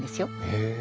へえ。